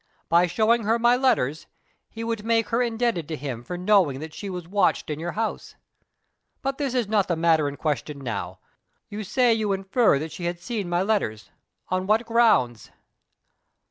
By showing her my letters, he would make her indebted to him for knowing that she was watched in your house. But this is not the matter in question now. You say you infer that she had seen my letters. On what grounds?"